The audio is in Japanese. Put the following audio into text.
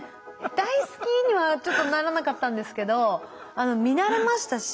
大好きにはちょっとならなかったんですけど見慣れましたし